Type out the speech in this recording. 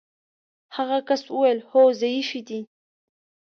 هغه کس وویل: هو ضعیفې دي.